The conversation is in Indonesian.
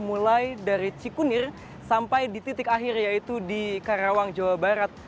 mulai dari cikunir sampai di titik akhir yaitu di karawang jawa barat